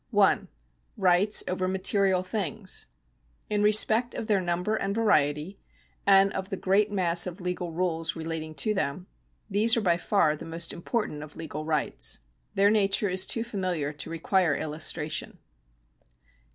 (1) Rights over material things. — In respect of their num ber and variety, and of the great mass of legal rules relating to them, these are by far the most important of legal rights. Their nature is too familiar to require illustration.